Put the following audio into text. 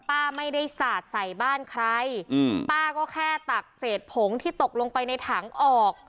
ป้าไม่ได้สาดใส่บ้านใครอืมป้าก็แค่ตักเศษผงที่ตกลงไปในถังออก